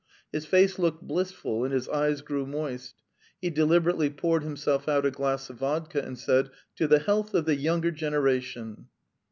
His face looked blissful and his eyes grew moist. ... He deliberately poured himself out a glass of vodka and said: "To the health of the younger generation."